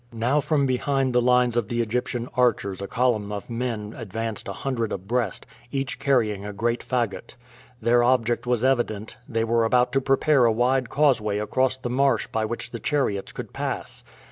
Now from behind the lines of the Egyptian archers a column of men advanced a hundred abreast, each carrying a great fagot. Their object was evident: they were about to prepare a wide causeway across the marsh by which the chariots could pass.